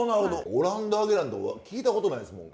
オランダ揚げなんて聞いたことないですもん。